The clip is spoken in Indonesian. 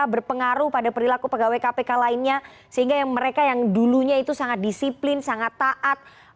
berpengaruh pada perilaku pegawai kpk lainnya sehingga yang mereka yang dulunya itu sangat disiplin sangat taat